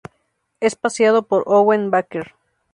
Es paseado por Owen Baker.